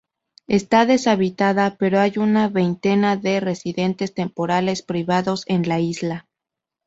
Está deshabitada, pero hay una veintena de residentes temporales privados en la isla.